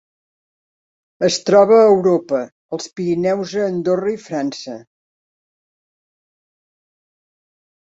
Es troba a Europa: els Pirineus a Andorra i França.